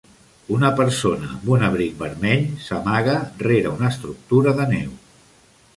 Una persona amb un abric vermell s'amaga rere una estructura de neu.